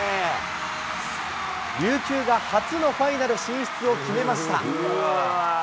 琉球が初のファイナル進出を決めました。